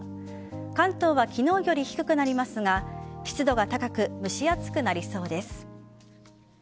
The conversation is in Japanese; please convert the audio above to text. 関東は昨日より低くなりますが湿度が高く蒸し暑くなりそうです。